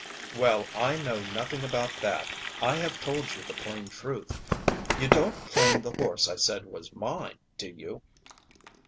"Well, I know nothing about that. I have told you the plain truth. You don't claim the horse I said was mine, do you?"